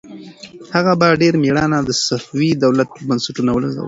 هغه په ډېر مېړانه د صفوي دولت بنسټونه ولړزول.